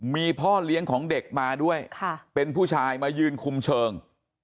มีพ่อเลี้ยงของเด็กมาด้วยเป็นผู้ชายมายืนคุมเชิง